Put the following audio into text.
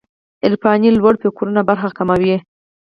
عرفاني لوړو فکرونو برخه کمه وه.